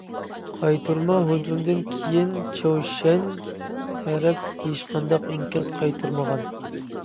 قايتۇرما ھۇجۇمدىن كېيىن چاۋشيەن تەرەپ ھېچقانداق ئىنكاس قايتۇرمىغان.